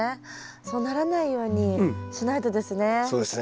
そうならないようにしないとですね